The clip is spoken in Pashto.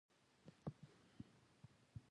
ځوانانو ته پکار ده چې، ماشومانو تعلیم ورکړي.